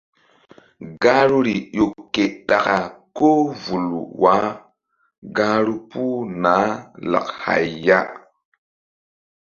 Gahruri ƴo ke ɗaka ko vul wah gahru puh naah lak hay ya.